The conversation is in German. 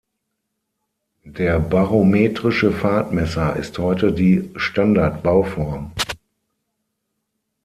Der barometrische Fahrtmesser ist heute die Standard-Bauform.